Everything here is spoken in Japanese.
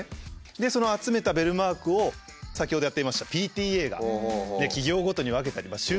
でその集めたベルマークを先ほどやっていましたＰＴＡが企業ごとに分けたり集計をします。